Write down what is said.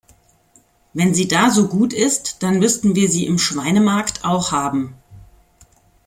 Wenn sie da so gut ist, dann müssten wir sie im Schweinemarkt auch haben.